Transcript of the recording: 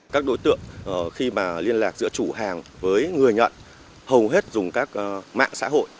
các đối tượng khi mà liên lạc giữa chủ hàng với người nhận hầu hết dùng các mạng xã hội